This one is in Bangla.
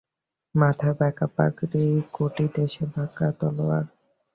মাথায় বাঁকা পাগড়ি, কটিদেশে বাঁকা তলোয়ার।